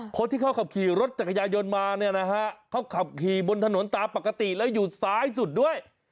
คนที่เขาขับขี่รถจักรยายนมาเนี่ยนะฮะเขาขับขี่บนถนนตามปกติแล้วอยู่ซ้ายสุดด้วย